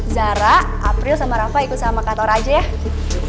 zara april sama rafa ikut sama kantor aja ya